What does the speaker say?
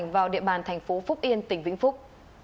vào địa bàn thành phố phúc yên tỉnh vĩnh phúc